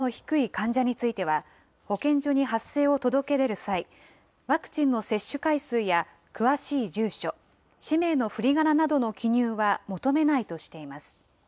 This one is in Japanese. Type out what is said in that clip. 具体的には、政府は重症化リスクの低い患者については、保健所に発生を届け出る際、ワクチンの接種回数や、詳しい住所、氏名のふりがななどの記入は求めないとしています。